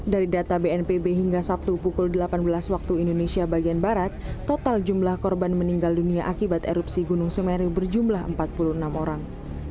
dari data bnpb hingga sabtu pukul delapan belas waktu indonesia bagian barat total jumlah korban meninggal dunia akibat erupsi gunung semeru berjumlah empat puluh enam orang